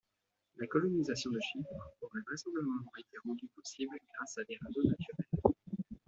La colonisation de Chypre aurait vraisemblablement été rendue possible grâce à des radeaux naturels.